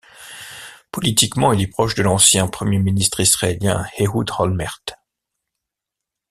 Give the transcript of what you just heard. Politiquement, il est proche de l'ancien Premier ministre israélien Ehud Olmert.